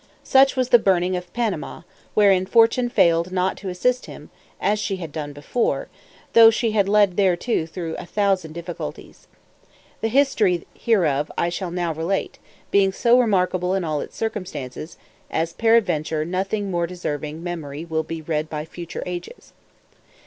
Such was the burning of Panama, wherein Fortune failed not to assist him, as she had done before, though she had led him thereto through a thousand difficulties. The history hereof I shall now relate, being so remarkable in all its circumstances, as peradventure nothing more deserving memory will be read by future ages.